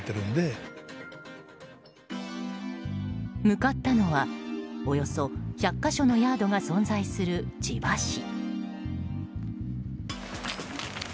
向かったのはおよそ１００か所のヤードが存在する千葉市。